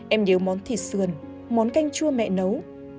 em điếu món thịt sườn món canh chua mẹ nấu